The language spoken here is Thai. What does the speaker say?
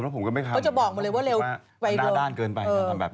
เราติดแล้วออกไป